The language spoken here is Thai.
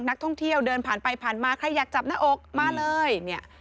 นักท่องเที่ยวเดินผ่านไปผ่านมาใครอยากจับหน้าอกมาเลยเนี่ย